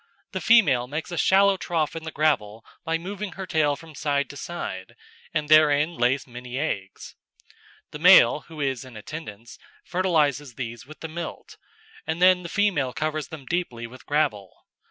The female makes a shallow trough in the gravel by moving her tail from side to side, and therein lays many eggs. The male, who is in attendance, fertilises these with the milt, and then the female covers them deeply with gravel.